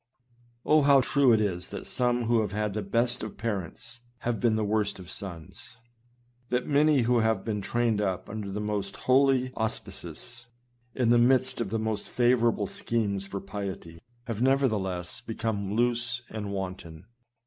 Oh ! how true it is that some who have had the best of parents, have been the worst of sons ; that many who have been trained up under the most holy auspices, in the midst of the most favorable scenes for piety, have nevertheless, become loose and wanton